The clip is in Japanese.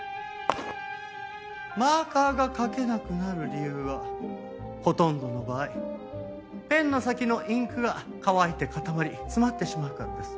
マーカーが書けなくなる理由はほとんどの場合ペンの先のインクが乾いて固まり詰まってしまうからです。